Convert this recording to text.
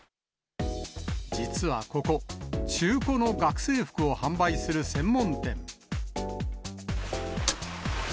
実はここ、中古の学生服を販売する専門店。